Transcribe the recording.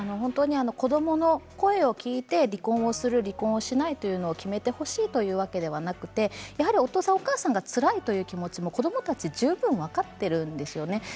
子どもの声を聞いて離婚する離婚しないというのを決めてほしいというわけではなくてお父さん、お母さんがつらいという気持ち子どもたちは十分分かっているんですよね。